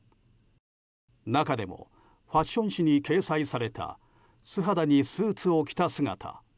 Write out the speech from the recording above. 中でもファッション誌に掲載された素肌にスーツを着た姿。